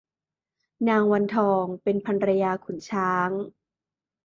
นางวันทองเป็นภรรยาขุนช้าง